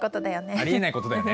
ありえない事だよね？